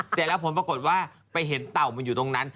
เสร็จแล้วผลปรากฏว่าไปเห็นเต่ามันอยู่ตรงนั้น